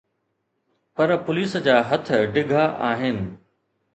پر police جا هٿ ڊگھا آهن.